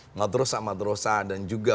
madrosa madrosa dan juga